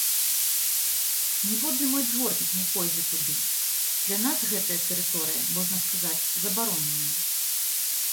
Ніводны мой дворнік не пойдзе туды, для нас гэтая тэрыторыя, можна сказаць, забароненая.